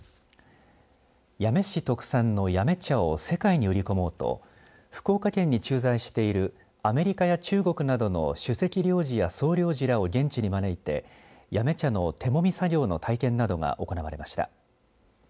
八女市特産の八女茶を世界に売り込もうと福岡県に駐在しているアメリカや中国などの首席領事や総領事らを現地に招いて八女茶の手もみ作業の体験などが行われました。